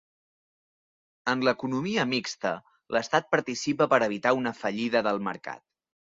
En l’economia mixta l’Estat participa per evitar una fallida del mercat.